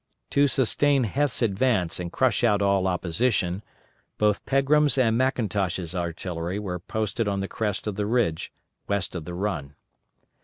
To sustain Heth's advance and crush out all opposition, both Pegram's and McIntosh's artillery were posted on the crest of the ridge west of the Run.